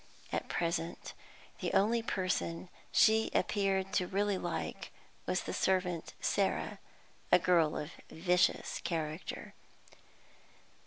At present, the only person she appeared to really like was the servant Sarah, a girl of vicious character.